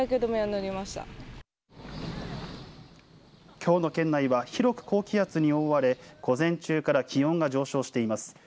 きょうの県内は広く高気圧に覆われ午前中から気温が上昇しています。